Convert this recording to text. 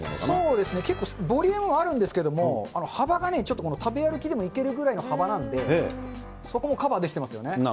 そうですね、結構ボリュームあるんですけれどもね、幅がちょっと食べ歩きでもいけるぐらいの幅なんで、そこもカバーできてますね。